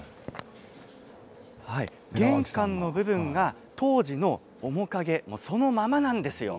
玄関の部分は当時の面影そのままなんですよ。